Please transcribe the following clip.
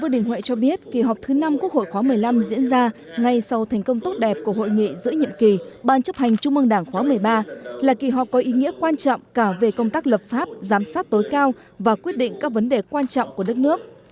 diễn ra ngay sau thành công tốt đẹp của hội nghị giữa nhiệm kỳ ban chấp hành trung ương đảng khóa một mươi ba là kỳ họp có ý nghĩa quan trọng cả về công tác lập pháp giám sát tối cao và quyết định các vấn đề quan trọng của đất nước